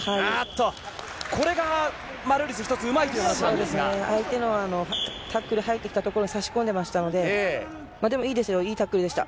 これがマルーリス、相手のタックル入ってきたところに差し込んでましたので、でもいいですよ、いいタックルでした。